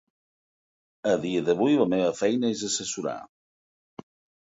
A dia d’avui la meva feina és assessorar.